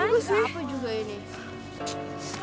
ini juga sih